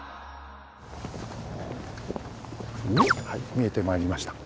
見えてまいりました。